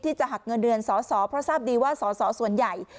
จะหักเงินเดือนสอสอเพราะทราบดีว่าสอสอส่วนใหญ่